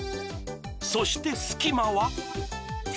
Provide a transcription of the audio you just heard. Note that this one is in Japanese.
そして隙間は。